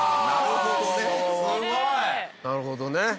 なるほどね。